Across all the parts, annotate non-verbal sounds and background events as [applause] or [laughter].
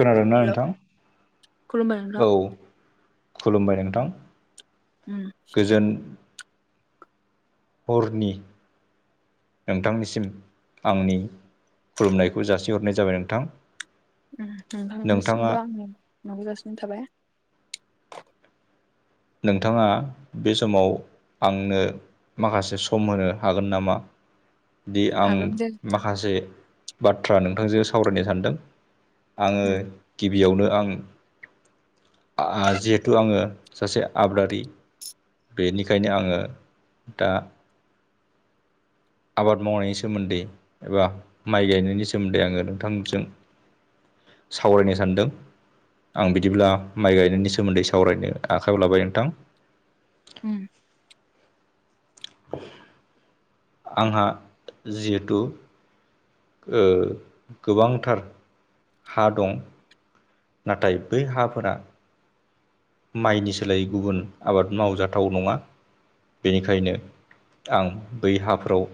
खोनादोंना हेल' नोंथां खुलुमबाय नोंथां औ खुलुमबाय नोंथां उम गोजोन हरनि नोंथांनिसिम आंनि खुलुमनायखौ जासिहरनाय जाबाय नोंथां नोंथाङा नोंथांनिसिमबो आंनि खुलुयमनायखौ जासि हरनाय थाबाय नोंथाङा बे समाव आंनो माखासे सम होनो हागोन नामा दि आं हागोन जे नोंथां माखासे बाथ्रा नोंथांजों सावरायनो सानदों आङो उम गिबियावनो आं जिहेथु आङो सासे आबादारि बेनिखायनो आङो दा आबाद मावनायनि सोमोन्दै एबा माइ गायनायनि सोमोन्दै आङो नोंथांजों सावरायनो सानदों आं बिदिब्ला माइ गायनायनि सोमोन्दै सावरायनो आखायाव लाबाय नोंथां उम [unintelligible] आंहा जिहेथु गोबांथार हा दं नाथाय बै हाफोरा माइनि सोलायै गुबुन आबाद मावजाथाव नङा बेनिखायनो आं बै हाफोराव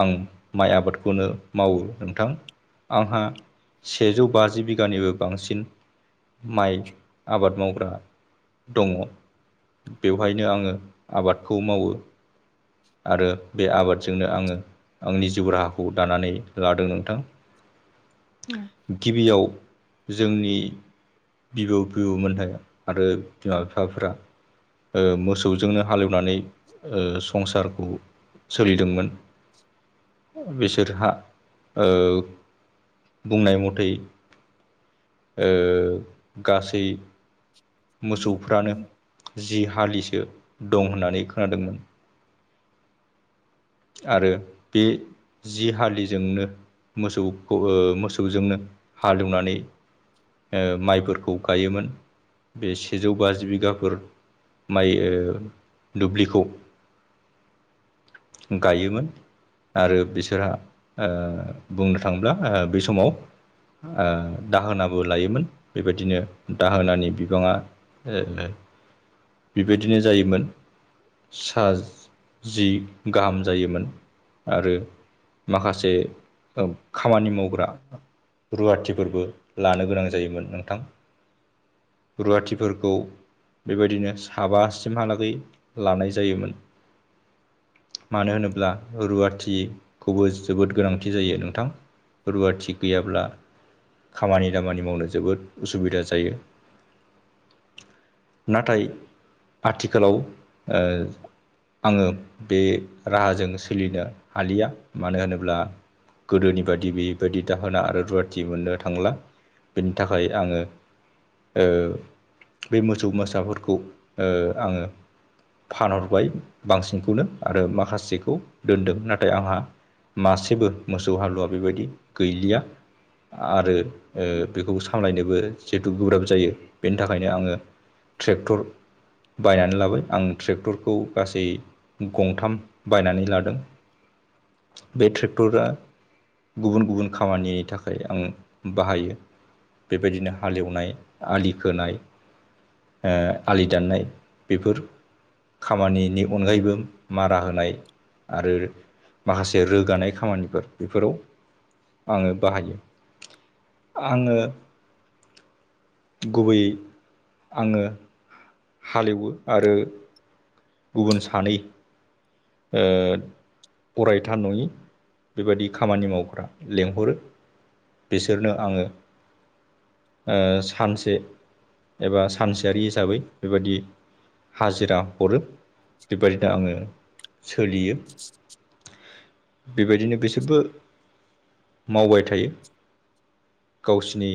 आं माइ आबादखौनो मावो नोंथां आंहा सेजौ बाजि बिगानिबो बांसिन माइ आबाद मावग्रा दङ बेवहायनो आङो आबादखौ मावो आरो बे आबादजोंनो आङो आंनि जिउ राहाखौ दानानै लादों नोंथां हम गिबियाव जोंनि बिबौ बिबौमोननो आरो बिमा बिफाफोरा मोसौजोंनो हालेवनानै संसारखौ सोलिदोंमोन [unintelligible] बिसोरहा बुंनाय मथै गासै मोसौफ्रानो जि हालिसो दं होननानै खोनादोंमोन आरो बे जि हलिजोंनो मोसौखौ मोसौजोंनो हालेवनानै माइफोरखौ गायोमोन बे सेजौ बाजि बिगाफोर माइ दुब्लिखौ गायोमोन आरो बिसोरहा बुंनो थाङोब्ला बै समाव दाहोनाबो लायोमोन बेबायदिनो दाहोनानि बिबाङा ए बेबायदिनो जायोमोन सा जि गाहाम जायोमोन आरो माखासे औ खामानि मावग्रा रुवाथिफोरबो लानो गोनां जायोमोन नोंथां। रुवाथिफोरखौ बेबादिनो साबासिमहालागै लानाय जायोमोन। मानो होनोब्ला रुवाथिखौबो जोबोद गोनांथि जायो नोंथां। रुवाथि गैयाब्ला खामानि दामानि मावनो जोबोद उसुबिदा जायो। नाथाय आथिखालाव ओ आङो बे राहाजों सोलिनो हालिया मानो होनोब्ला गोदोनि बादि बेबादि दाहोना आरो रुवाथि मोननो थांला। बिनि थाखाय आङो ओ बे मोसौ-मोसाफोरखौ ओ आङो फानहरबाय बांसिनखौनो आरो माखासेखौ दोनदों नाथाय आंहा मासेबो मोसौ हालुवा बेबायदि गैलिया। आरो ओ बेखौबो सामलायनोबो जिहेतु गोब्राब जायो बेनि थाखायनो आङो ट्रेक्टर बायनानै लाबाय आं ट्रेक्टरखौ गासै गंथाम बायनानै लादों बे ट्रेक्टरा गुबुन गुबुन खामानिनि थाखाय आं बाहायो बेबायदिनो हाल एवनाय, आलि खोनाय ओ आलि दाननाय बेफोर खामानिनि अनगायैबो मारा होनाय आरो माखासे रोगानाय खामानिफोर बिफोराव आङो बाहायो। आङो गुबैयै आङो हाल एवो आरो गुबुन सानै ओ अरायथा नङि बेबादि खामानि मावम्रा लिंहरो। बिसोरनो आङो ओ सानसे एबा सानसेयारि हिसाबै बेबायदि हाजिरा हरो। बेबायदिनो आङो सोलियो। बेबायदिनो बेसोरबो मावबाय थायो। गावसिनि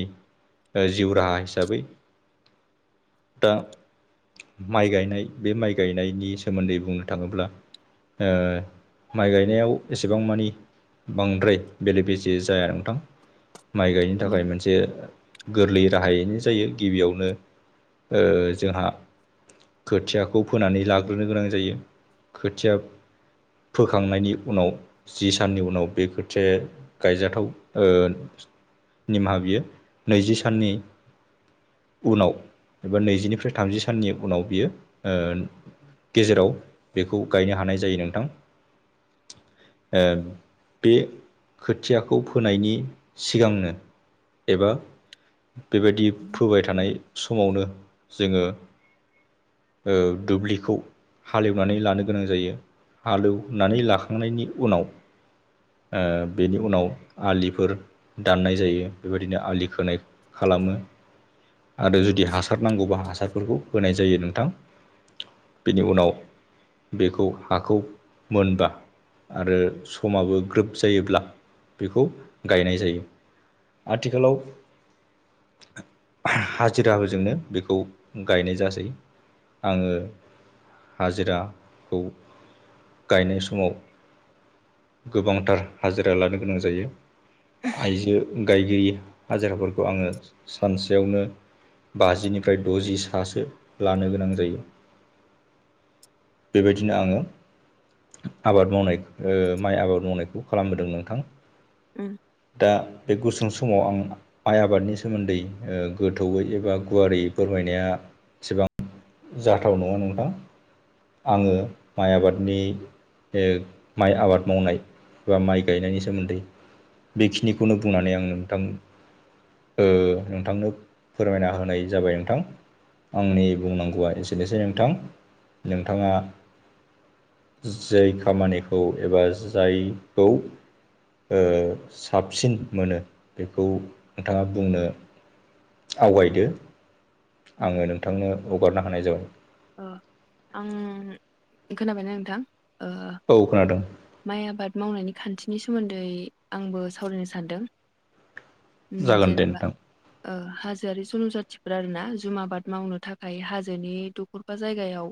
ओ जिउ राहा हिसाबै दा माइ गायनाय बे माइ गायनायनि सोमोन्दै बुंनो थाङोब्ला ओ माइ गायनायाव एसेबां मानि बांद्राय बेले बेजे जाया नोंथां माइ गायनो उम थाखाय मोनसे गोरलै राहायैनो जायो गिबियावनो ओ जोहा खोथियाखौ फोनानै लाग्रोनो गोनां जायो। खोथिया फोखांनायनि उनाव जि साननि उनाव बे खोथिया गायजाथाव ओ निमाहा बियो नैजि साननि उनाव एबा नैजिनिफ्राय थामजि साननि उनाव बियो ओ गेजेराव बेखौ गायनो हानाय जायो नोंथां। ओ बे खोथियाखौ फोनायनि सिगांनो एबा बेबायदि फोबाय थानाय समावनो जोङो ओ दुब्लिखौ हाल एवनानै लानो गोनां जायो। हालौनानै लाखांनायनि उनाव ओ बेनि उनाव आलिफोर दाननाय जायो बेबादिनो आलि खोनाय खालामो आरो जुदि हासार नांगौबा हासारफोरखौ होनाय जायो नोंथां। बेनि उनाव बेखौ हाखौ मोनबा आरो समाबो ग्रोब जायोब्ला बेखौ गायनाय जायो। आथिखालाव हाजिराफोरजोंनो बेखौ गायनाय जासै आङो हाजिराखौ गायनाय समाव गोबांथार हाजिरा लानो गोनां जायो आइजो गायगिरि हाजिराफोरखौ आङो सानसेयावनो बाजिनिफ्राय द'जि सासो लानो गोनां जायो बेबायदिनो आङो आबाद मावनाय माइ आबाद मावनायखौ खालामबोदों नोंथां उम दा बे गुसुं समाव आं माइ आबादनि सोमोन्दै गोथौयै एबा गुवारै फोरमायनाया एसेबां जाथाव नङा नोंथां आङो माइ आबादनि ओ माइ आबाद मावनाय बा माइ गायनायनि सोमोन्दै बेखिनिखौनो बुंनानै आं नोंथां ओ नोंथांनो फोरमायना होनाय जाबाय नोंथां आंनि बुंनांगौआ एसेनोसै नोंथां नोंथाङा जै खामानिखौ एबा जायखौ ओ साबसिन मोनो बेखौ नोंथाङा बुंनो आवगायदो उम आङो नोंथांनो हगारनो हानाय जाबाय ओ आं खोनाबायना नोंथां ओ औ खोनादों माइ आबाद मावनायनि खान्थिनि सोमोन्दै आंबो सावरायनो सानदों उम जागोन दे जेनेबा नोंथां ओ हाजोआरि जन'जातिफोरा आरो ना जुम आबाद मावनो थाखाय हाजोनि दखर बा जायगायाव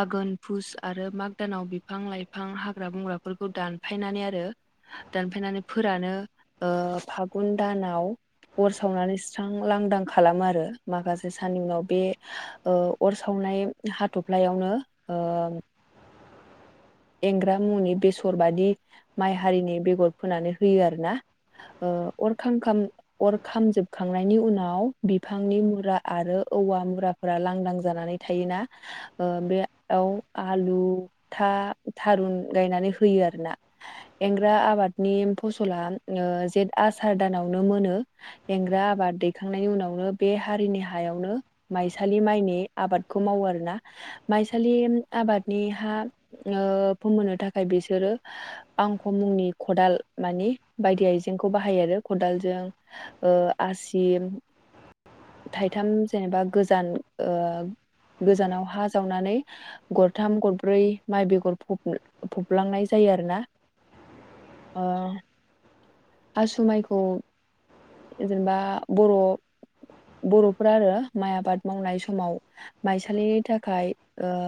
आघोन फुस आरो माग दानाव बिफां लाइफां हाग्रा बंग्राफोरखौ दान फायनानै आरो दानफायनानै फोरानो ओ फागुन दानाव अर सावनानै सस्रां लांदां खालामो आरो माखासे साननि उनाव बे ओ अर सावनाय हाथ्लायावनो ओ एंग्रा मुनि बेसर बादि माइ हारिनि बेगर फोनानै होयो आरो ना ओ अर खामखाम अर खामजोबखांनायनि उनाव बिफांनि मुरा आरो औवा मुरा फोरा लांदां जानानै थायोना ओ बेयाव आलु था थारुन गायनानै होयो आरो ना एंग्रा आबादनि फसला ओ जेठ आसार दानावनो मोनो एंग्रा आबाद दैखांनायनि उनावनो बे हारिनि हायावनो माइसालि माइनि आबादखौ मावो आरोना माइसालि आबादनि हा ओ फोमोनो थाखाय बिसोरो आंखौ मुंनि खदाल मानि बायदि आइजेंखौ बाहायो आरो खदालजों ओ आसि थाइथाम जेनेबा गोजान ओ गोजानाव हा जावनानै गरथाम गरब्रै माइ बेगर फनो फबलांनाय जायो आरोना ओ आसु माइखौ जेनेबा बर' बर'फ्रा आरो माइ आबाद मावनाय समाव माइसालिनि थाखाय ओ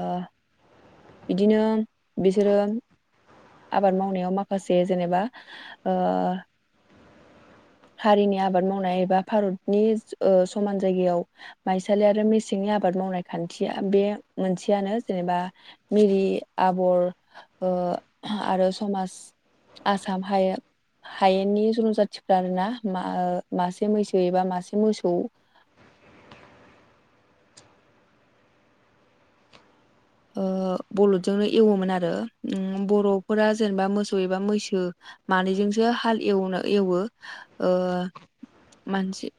इदिनो बिसोरो आबाद मावनायाव माखासे जेनेबा ओ हारिनि आबाद मावनाय एबा भारतनि ओ समान जायगायाव माइसालि आरो मेसेंनि आबाद मावनाय खान्थिया बे मोनसेयानो जेनेबा मिरि आबर ओ आरो समाज आसाम हायेन हायेननि जन'जाथिफ्रा आरोना मा मासे मैसो एबा मासे मोसौ ओ बलदजोंनो एवोमोन आरो बर'फोरा जेनेबा मोसौ एबा मैसो मानैजोंसो हाल एवनो एवो ओ मानसि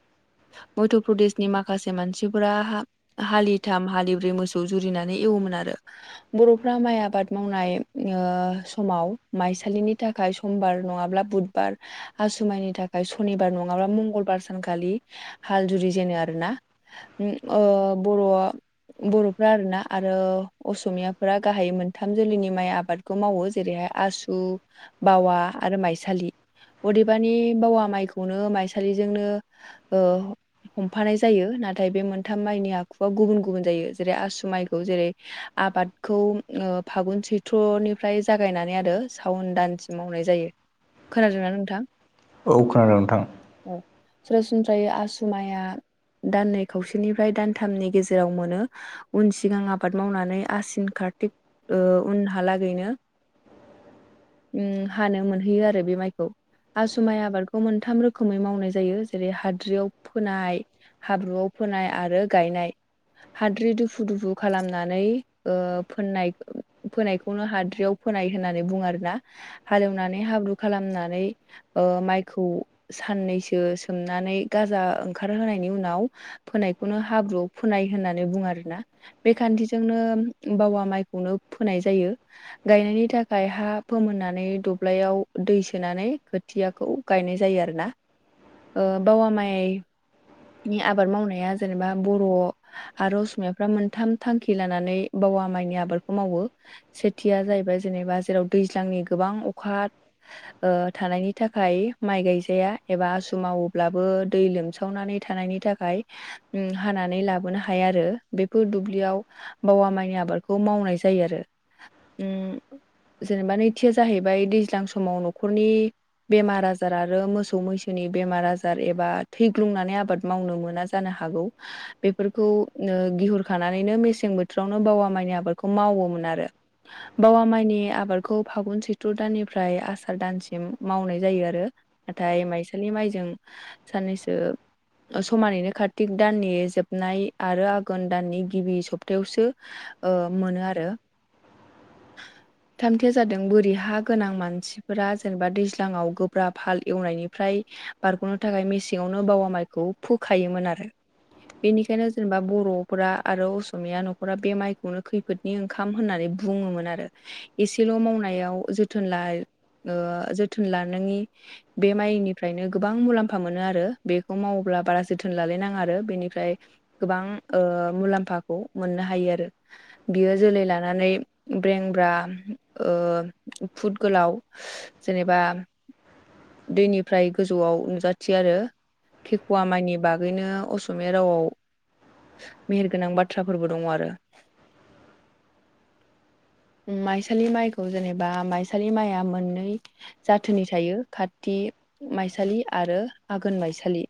मध्य प्रदेशनि माखासे मानसिफोरा हालिथाम हालिब्रै मोसौ जुरिनानै एवोमोन आरो। बर'फ्रा माइ आबाद मावनाय ओ समाव माइसालिनि थाखाय समबार नङाब्ला बुधबार आसुमाइनि थाखाय सनिबार नङाब्ला मंगलबार सानखालि हाल जुरि जेनो आरो ना। उम ओ बर'आ बर'फ्रा आरोना आरो असमियाफोरा गाहायै मोनथाम जोलैनि माइ आबादखौ मावो जेरैहाय आसु बावा आरो माइसालि अदेबानि बावा माइखौनो माइसालिजोंनो औ हमफानाय जायो नाथाय बे मोनथाम माइनि आखुआ गुबुन गुबुन जायो जेरै आसु माइखौ जेरै आबादखौ ओ फागुन सैथ्रनिफ्राय जागायनानै आरो सावन दानस मावनाय जायो खोनादोंना नोंथां? औ खोनादों नोंथां। औ सरासनस्रायै आसुमाया दाननै खावसेनिफ्राय दानथामनि गेजेराव मोनो। उन सिगां आबाद मावनानै आसिन कारतिक उनहालागैनो हानो मोनहैयो आरो बे माइखौ। आसुमाइ आबादखौ मोनथाम रोखोमै मावनाय जायो जेरै हाद्रियाव फोनाय हाब्रुआव फोनाय आरो गायनाय हाद्रि दुफु दुफु खालामनानै ओ फोननाय फोनायखौनो हाद्रियाव फोनाय होननानै बुङो आरोना हालेवनानै हाब्रु खालामनानै ओ माइखौ साननैसो सोमनानै गाजा ओंखारहोनायनि उनाव फोनायखौनो हाब्रुआव फोनाय होननानै बुङो आरोना। बे खान्थिजोंनो बावा माइखौनो फोनाय जायो। गायनायनि थाखाय हा फोमोननानै दब्लायाव दै सोनानै खोथियाखौ गायनाय जायो आरो ना बावा माइ आबाद मावनाया जेनेबा बर' आरो असमियाफ्रा मोन थाम थांखि लानानै बावा माइनि आबादखौ मावो। सेथिया जाहैबाय जेनेबा जेराव दैज्लांनि गोबां अखा ओ थानायनि थाखाय माइ गायजाया एबा आसु मावोब्लाबो दै लोमसावनानै थानायनि थाखाय हानानै लाबोनो हायो आरो बे फोरफोर दुब्लियाव बावा माइनि आबादखौ मावनाय जायो आरो उम जेनेबा नैथिया जाहैबाय दैज्लां समाव न'खरनि बेमार आजार आरो मोसौ मैसोनि बेमार आजार एबा थैग्लुंनानै आबाद मावनो मोना जा जानो हागौ बेफोरखौ गिहुर होखानानैनो मेसें बोथोरावनो बावा माइनि आबादखौ मावोमोन आरो। बावा माइनि आबादखौ फागुन सैथ्र' दाननिफ्राय आसार दानसिम मावनाय जायो आरो। नाथाय माइसालि माइजों साननैसो समानैनो कार्तिक दाननि जोबनाय आरो आघोन दाननि गिबि सप्तायावसो मोनो आरो। [inaudible] थामथिया जादों बोरि हा गोनां मानसिफोरा जेनेबा दैज्लाङाव गोब्रााब फाल एवनायनिफ्राय बारग'नो थाखाय मेसेङावनो बावा माइखौ फोखायोमोन आरो बेनिखायनो जेनेबा बर' ना आरो असमिया न'खरा बे माइखौनो खैफोदनि ओंखाम होननानै बुङोमोन आरो। एसेल' मावनायाव जोथोन ल जोथोन लानाङनि बे माइनिफ्रायनो गोबां मुलाम्फा मोनो आरो बेखौ मावोब्ला बारा जोथोन लालायनाङा आरो बेनिफ्राय गोबां ओ मुलाम्फाखौ मोननो हायो आरो। बियो जोलै लानानै ब्रेंब्रा फुट गोलाव जेनेबा दैनिफ्राय गोजौआव नुजाथियो आरो। खेकुवा माइनि बागैनो असमिया रावआव मेहेरगोनां बाथ्राफोरबो दङ आरो [unintelligible] माइसालि माइखौ जेनेबा माइसालि माइआ मोननै जाथोनि थायो खात माइसालि आरो आघोन माइसालि